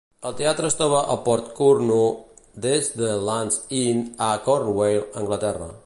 El teatre es troba a Porthcurno, des de Land's End a Cornwall, Anglaterra.